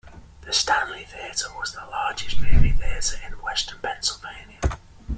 The Stanley Theatre was the largest movie theater in Western Pennsylvania.